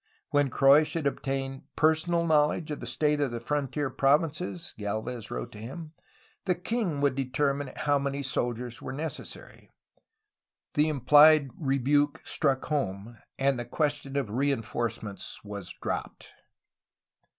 When Croix should obtain personal knowledge of the state of the frontier provinces, Gdlvez wrote to him, the king would determine how many soldiers were necessary. The implied rebuke struck home, and the question of reinforcements was dropped.